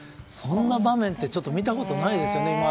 こんな場面って見たことないですよね。